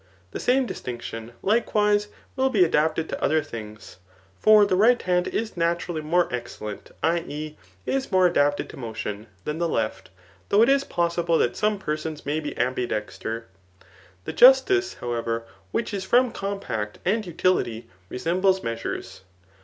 The same distinction, likewise, will be adapted to other things. For the right hand is naturally more excellent, [1. e. is more adapted to motion] than the left ; though it is possible that some persons may be ambidexter. The justice, however, which is from com pact and utility resembles measures.